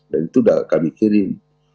dan itu sudah kami kirim